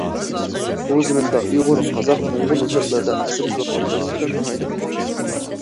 بۇ زېمىندا ئۇيغۇر، قازاق، موڭغۇل يېزىقلىرىدا ئەسەر يېزىۋاتقان يازغۇچىلار ناھايىتى كۆپ.